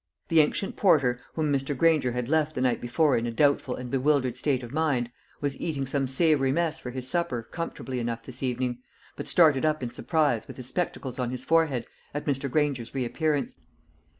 The ancient porter, whom Mr. Granger had left the night before in a doubtful and bewildered state of mind, was eating some savoury mess for his supper comfortably enough this evening, but started up in surprise, with his spectacles on his forehead, at Mr. Granger's reappearance.